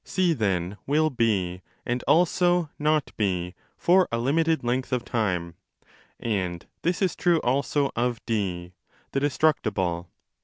C then will be, and also not be, for a limited length of time, and this is true also of D, the destructible.